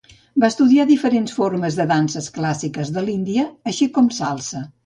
Va estudiar diferents formes de Danses clàssiques de l'Índia, així com salsa.